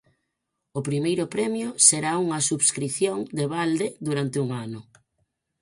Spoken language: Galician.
O primeiro premio será unha subscrición de balde durante un ano.